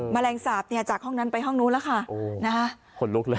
แมลงสาปเนี่ยจากห้องนั้นไปห้องนู้นแล้วค่ะโอ้นะคะขนลุกเลย